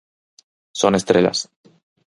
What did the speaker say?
Son estrelas.